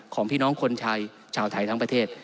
ของพี่น้องคนไทยชาวไทยทั้งประเทศ